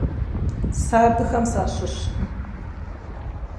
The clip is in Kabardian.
Сэ абыхэм сащыщкъым.